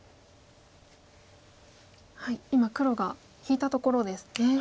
今黒が引いたところですね。